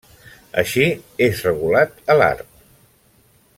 Així, és regulat a l'art.